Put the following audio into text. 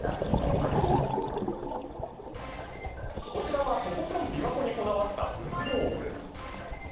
こちらは、とことん琵琶湖にこだわった文房具。